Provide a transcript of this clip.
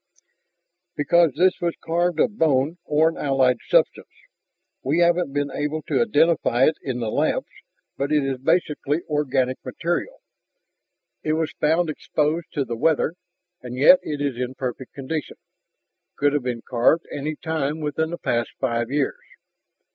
"Because this was carved of bone or an allied substance. We haven't been quite able to identify it in the labs, but it is basically organic material. It was found exposed to the weather and yet it is in perfect condition, could have been carved any time within the past five years.